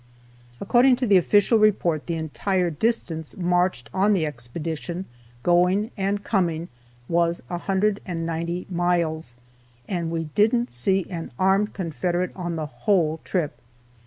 According to the official report the entire distance marched on the expedition, going and coming, was 190 miles, and we didn't see an armed Confederate on the whole trip.